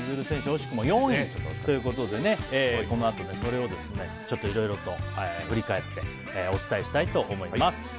惜しくも４位ということでこのあと、それをいろいろと振り返ってお伝えしたいと思います。